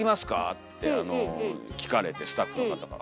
ってあの聞かれてスタッフの方から。